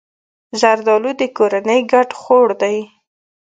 زردالو د کورنۍ ګډ خوړ دی.